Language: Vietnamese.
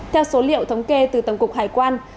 theo số liệu thống kê từ tổng cục hải quan